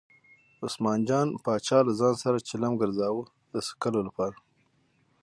عثمان جان پاچا له ځان سره چلم ګرځاوه د څکلو لپاره.